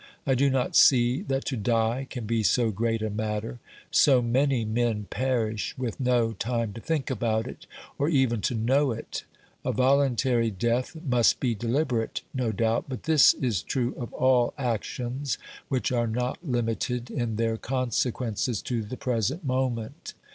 I do not see that to die can be so great a matter; so many men perish with no time to think about it, or even to know it ! A voluntary death must be deliberate, no doubt, but this is true of all actions which are not limited in their consequences to the present moment.